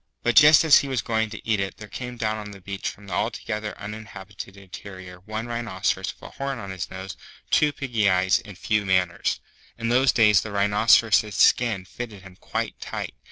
But just as he was going to eat it there came down to the beach from the Altogether Uninhabited Interior one Rhinoceros with a horn on his nose, two piggy eyes, and few manners. In those days the Rhinoceros's skin fitted him quite tight.